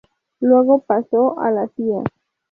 Luego pasó a la Cía.